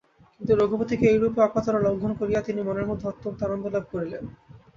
কিন্তু রঘুপতিকে এইরূপে অকাতরে লঙ্ঘন করিয়া তিনি মনের মধ্যে অত্যন্ত আনন্দ লাভ করিলেন।